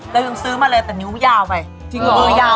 เรายังซื้อมาเลยแต่นิ้วมันยาวไป